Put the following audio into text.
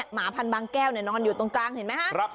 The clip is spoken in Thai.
หมาพันบางแก้วนอนอยู่ตรงกลางเห็นไหมฮะ